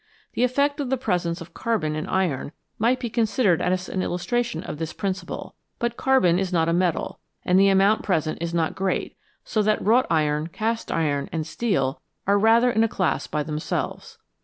The effect of the presence of carbon in iron might be considered as an illustration of this principle, but carbon is not a metal, and the amount present is not great, so that wrought iron,. cast iron, and steel are rather in a class by themselves.